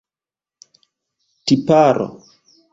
tiparo